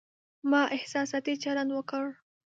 ما احساساتي چلند وکړ